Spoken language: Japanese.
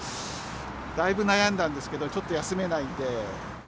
だいぶ悩んだんですけど、ちょっと休めないんで。